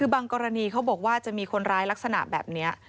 คือบางกรณีเขาบอกว่าจะมีคนร้ายลักษณะแบบนี้